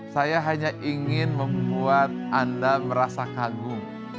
saya hanya ingin membuat anda merasa kagum